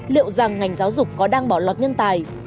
liệu rằng ngành giáo dục có đang bỏ lọt nhân tài